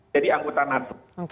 jadi anggota nato